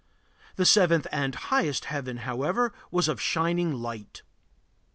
The seventh and highest heaven, however, was of shining light.